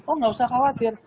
oh gak usah khawatir